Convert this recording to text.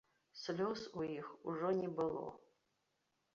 Слёз у іх ужо не было.